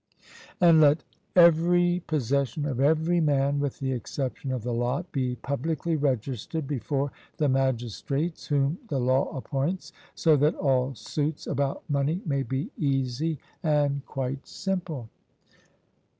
And let every possession of every man, with the exception of the lot, be publicly registered before the magistrates whom the law appoints, so that all suits about money may be easy and quite simple.